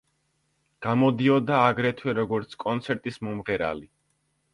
გამოდიოდა აგრეთვე როგორც კონცერტის მომღერალი.